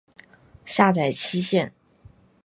下载期限